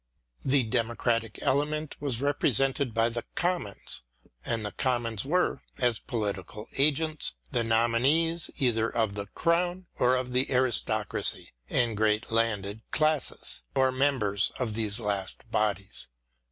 The democratic element was repre sented by the Commons, and the Commons were, as political agents, the nominees either of the Crown or of the aristocracy and great landed classes, or members of these last bodies.